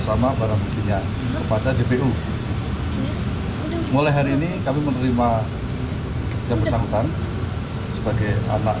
sampai jumpa lagi